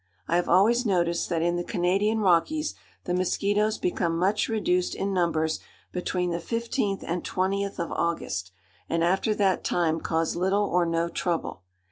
I have always noticed that in the Canadian Rockies the mosquitoes become much reduced in numbers between the 15th and 20th of August, and after that time cause little or no trouble.